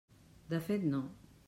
De fet, no.